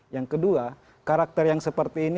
yang kedua karakter yang seperti ini